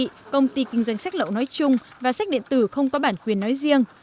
thưa quý vị công ty kinh doanh sách lậu nói chung và sách điện tử không có bản quyền nói riêng